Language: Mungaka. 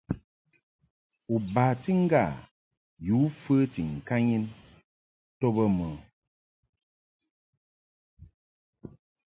U bati ŋgâ yǔ fəti ŋkanyin to bə mɨ?